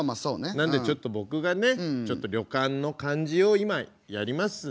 なんでちょっと僕がねちょっと旅館の感じを今やりますんで。